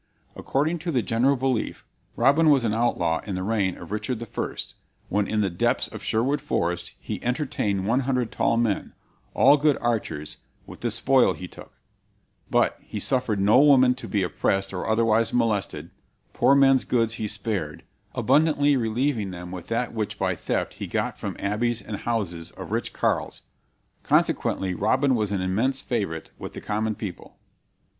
According to the general belief Robin was an outlaw in the reign of Richard I, when in the depths of Sherwood Forest he entertained one hundred tall men, all good archers, with the spoil he took; but "he suffered no woman to be oppressed or otherwise molested; poore men's goods he spared, abundantlie relieving them with that which by theft he got from abbeys and houses of rich carles." Consequently Robin was an immense favorite with the common people.